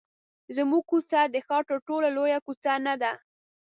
زموږ کوڅه د ښار تر ټولو لویه کوڅه نه ده.